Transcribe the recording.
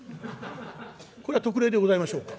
これは特例でございましょうか。